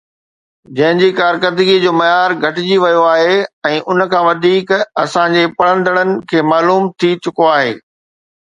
جنهن جي ڪارڪردگيءَ جو معيار گهٽجي ويو آهي ۽ ان کان وڌيڪ اسان جي پڙهندڙن کي معلوم ٿي چڪو آهي